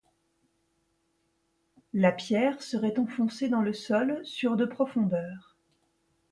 La pierre serait enfoncée dans le sol sur de profondeur.